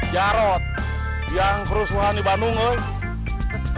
jarod yang kerusuhan di bandung loh